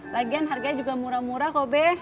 lagian harganya juga murah murah kok be